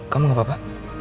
kamu gak apa apa